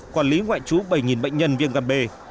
quản lý ngoại trú bảy bệnh nhân viêm gan b